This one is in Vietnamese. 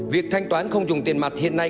việc thanh toán không dùng tiền mặt hiện nay